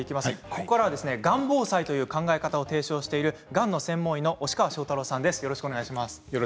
ここからは、がん防災という考え方を提唱しているがん専門医の押川勝太郎さんです。